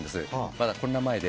まだコロナ前で。